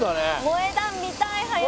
萌え断見たい早く。